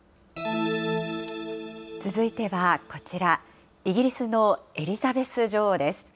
続いてはこちら、イギリスのエリザベス女王です。